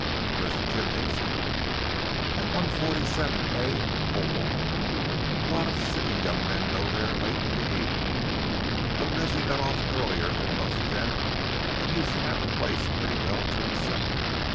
"Where's the gymnasium?" "At 147 a Holborn. A lot of city young men go there late in the evening, but Reggie got off earlier than most of them and used to have the place pretty well to himself.